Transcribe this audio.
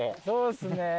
そうですね。